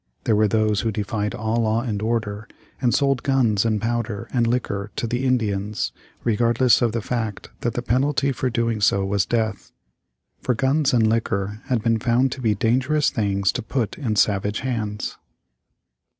There were those who defied all law and order, and sold guns and powder and liquor to the Indians, regardless of the fact that the penalty for doing so was death. For guns and liquor had been found to be dangerous things to put in savage hands.